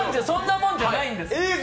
そんなもんじゃないんです。